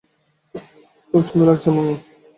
খুব সুন্দর লাগছে আপনাকে।